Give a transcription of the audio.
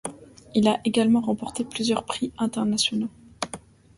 Il a également remporté plusieurs prix internationaux.